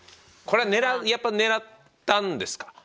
これはやっぱり狙ったんですか？